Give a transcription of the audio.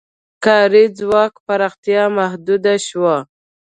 کاري ځواک پراختیا محدوده شوه.